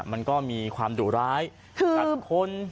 มันก็มีความดุร้ายกัดคน